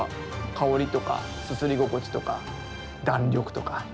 香りとか、すすり心地とか弾力とか